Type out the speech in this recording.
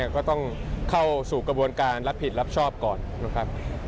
ก็ต้องเข้าสู่กระบวนการรับผิดรับชอบก่อนนะครับ